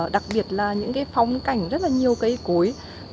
đặc biệt là những phong cảnh rất nhiều cây cối